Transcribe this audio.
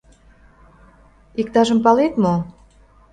Иктажым палет мо?